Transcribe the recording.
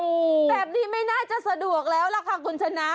โอ้โหแบบนี้ไม่น่าจะสะดวกแล้วล่ะค่ะคุณชนะ